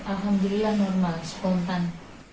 alhamdulillah normal spontan